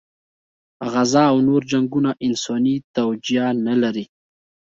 غزه او نور جنګونه انساني توجیه نه لري.